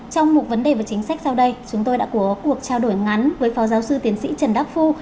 trong một vấn đề và chính sách sau đây chúng tôi đã có cuộc trao đổi ngắn với phó giáo sư tiến sĩ trần đắc phu